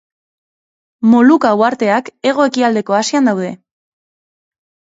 Moluka uharteak hego-ekialdeko Asian daude.